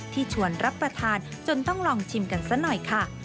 ชวนรับประทานจนต้องลองชิมกันซะหน่อยค่ะ